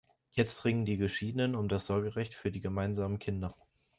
Jetzt ringen die Geschiedenen um das Sorgerecht für die gemeinsamen Kinder.